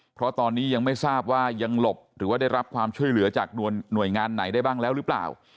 เพราะตอนนี้ยังไม่ทราบว่ายังหลบหรือว่าได้รับความช่วยเหลือจากหน่วยงานไหนได้บ้างแล้วหรือเปล่า